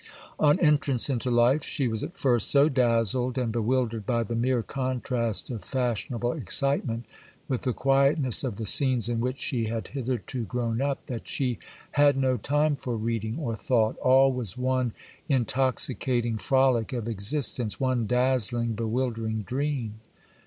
On entrance into life, she was at first so dazzled and bewildered by the mere contrast of fashionable excitement with the quietness of the scenes in which she had hitherto grown up, that she had no time for reading or thought,—all was one intoxicating frolic of existence, one dazzling, bewildering dream.